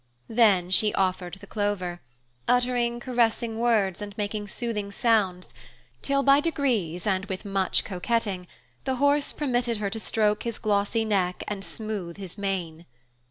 Then she offered the clover, uttering caressing words and making soothing sounds, till by degrees and with much coquetting, the horse permitted her to stroke his glossy neck and smooth his mane.